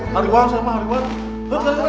neng hari huang neng mah